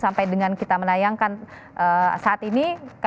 sampai dengan kita menayangkan saat ini